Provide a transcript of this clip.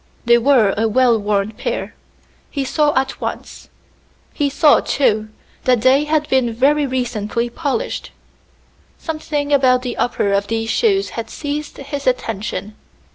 They were a well worn pair, he saw at once; he saw, too, that they had been very recently polished. Something about the uppers of these shoes had seized his attention.